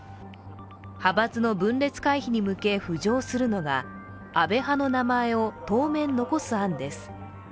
派閥の分裂回避に向け浮上するのが安倍派の名前を当面残す案です。